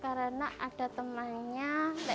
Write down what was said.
karena ada temannya